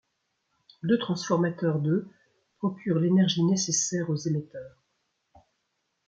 Deux transformateurs de procurent l'énergie nécessaire aux émetteurs.